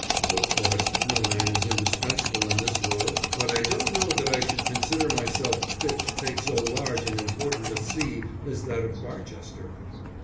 "Of course no man is indispensable in this world; but I don't know that I should consider myself fit to take so large and important a See as that of Barchester."